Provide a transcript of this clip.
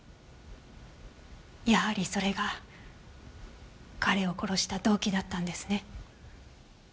やはりそれが彼を殺した動機だったんですね。